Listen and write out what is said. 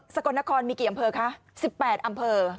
กลนครมีกี่อำเภอคะ๑๘อำเภอ